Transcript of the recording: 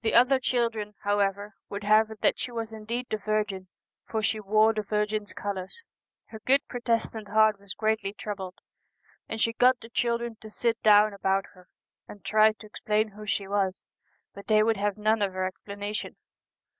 The other children, however, would have it that she was indeed the Virgin, for she wore the Virgin's colours. Her good Protestant heart was greatly troubled, and she got the children to sit down about her, and tried to explain who she was, but they would have none of her explanation.